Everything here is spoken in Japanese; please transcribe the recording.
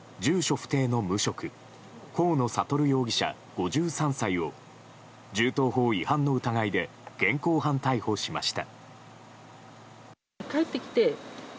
不定の無職河野智容疑者、５３歳を銃刀法違反の疑いで現行犯逮捕しました。